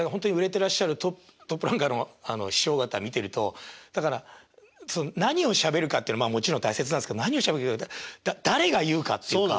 てらっしゃるトップランカーの師匠方見てるとだから何をしゃべるかっていうのはもちろん大切なんですけど誰が言うかっていうか